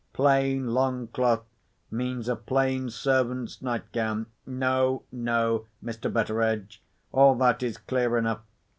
Plain long cloth means a plain servant's nightgown. No, no, Mr. Betteredge—all that is clear enough.